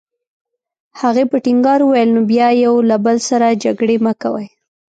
هغې په ټینګار وویل: نو بیا یو له بل سره جګړې مه کوئ.